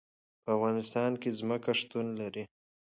په افغانستان کې ځمکه شتون لري.